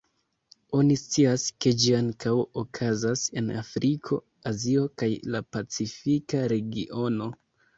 Oni scias, ke ĝi ankaŭ okazas en Afriko, Azio, kaj la Pacifika Regiono.